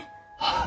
ああ。